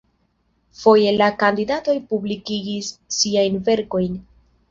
Foje la kandidatoj publikigis siajn verkojn.